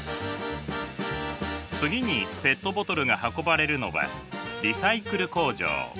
次にペットボトルが運ばれるのはリサイクル工場。